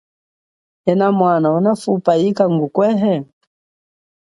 Enamwana, unafupa yika ngukwehe?